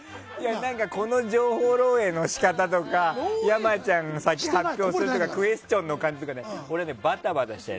この情報漏洩の仕方とか山ちゃんを先に発表するとかクエスチョンとかバタバタしてる。